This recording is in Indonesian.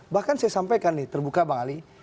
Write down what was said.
bahkan saya sampaikan nih terbuka bang ali